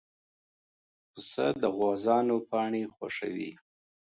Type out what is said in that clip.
پسه د غوزانو پاڼې خوښوي.